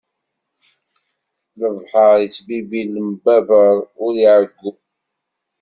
Lebḥeṛ ittbibbi lembabeṛ ur iɛeggu.